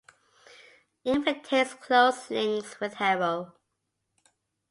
It maintains close links with Harrow.